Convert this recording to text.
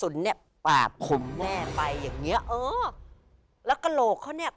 เรียกแม่